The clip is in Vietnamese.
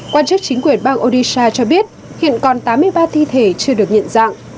quan chức chính quyền bang odisha cho biết hiện còn tám mươi ba thi thể chưa được nhận dạng